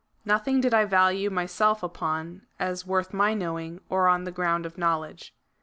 97 thing did I value myself upon, as worth my knowing, or on the ground of knowledge."